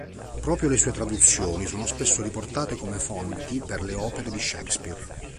Proprio le sue traduzioni sono spesso riportate come fonti per le opere di Shakespeare.